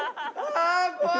ああ怖い。